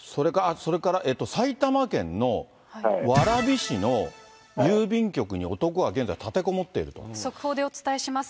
それから埼玉県の蕨市の郵便局に男が現在、立てこもっている速報でお伝えします。